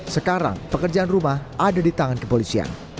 sekarang pekerjaan rumah ada di tangan kepolisian